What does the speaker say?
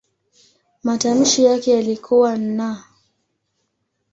Matamshi yake yalikuwa "n".